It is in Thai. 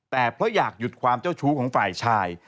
แต่เพราะอยากหยุดความเจ้าชู้ของฝ่ายชาย